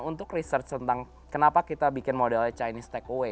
dan untuk research tentang kenapa kita bikin modelnya chinese takeaway